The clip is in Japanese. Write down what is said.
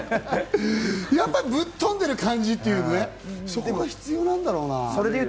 でも、ぶっ飛んでいる感じというか、そこが必要なんだろうな。